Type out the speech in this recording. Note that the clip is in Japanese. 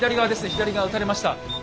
左側撃たれました。